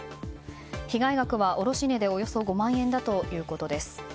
被害額は卸値でおよそ５万円だということです。